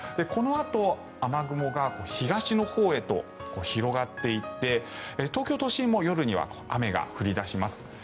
このあと雨雲が東のほうへと広がっていって東京都心も夜には雨が降り出します。